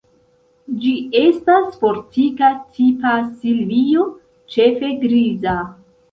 Ĝi estas fortika tipa silvio, ĉefe griza.